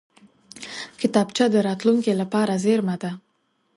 کتابچه د راتلونکې لپاره زېرمه ده